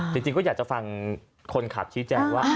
จริงก็อยากจะฟังคนขับชี้แจงว่า